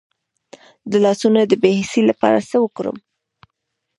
د لاسونو د بې حسی لپاره باید څه وکړم؟